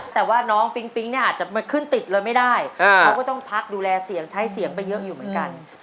แต่ว่าน้องปิ๊งปิ๊งเนี่ยอาจจะขึ้นติดเลยไม่ได้เขาก็ต้องพักดูแลเสียงใช้เสียงไปเยอะอยู่เหมือนกัน